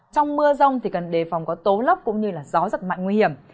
trong mưa rông thì cần đề phòng có tố lốc cũng như gió rất mạnh nguy hiểm